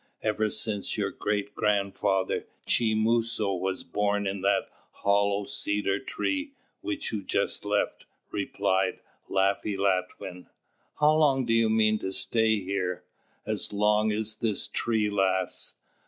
"Ever since your great grandfather, 'K'chī Mūsos,' was born in that hollow cedar tree which you just left," replied Laffy Latwin. "How long do you mean to stay here?" "As long as this tree lasts.